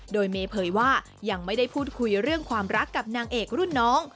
โดยเมย์เผยว่ายังไม่ได้พูดคุยเรื่องความรักกับนางเอกรุ่นน้อง